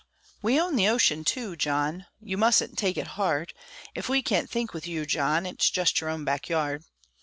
We own the ocean, tu, John: You mus'n' take it hard, Ef we can't think with you, John, It's jest your own back yard.